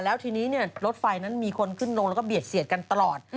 แล้วทีนี้รถไฟนั้นมีคนขึ้นลงแล้วก็เบียดเสียดกันตลอด